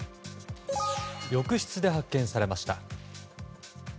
浴室で発見されました。